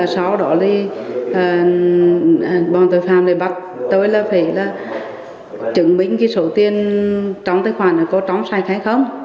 sau đó thì bọn tội phạm bắt tôi là phải chứng minh số tiền trong tài khoản có trong sai khai không